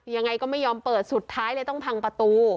ยังไงก็ไม่ยอมเปิดสุดท้ายเลยต้องพังประตู